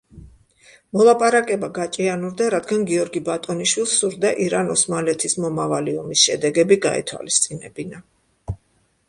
მოლაპარაკება გაჭიანურდა, რადგან გიორგი ბატონიშვილს სურდა ირან-ოსმალეთის მომავალი ომის შედეგები გაეთვალისწინებინა.